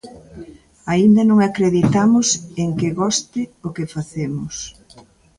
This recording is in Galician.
Aínda non acreditamos en que goste o que facemos.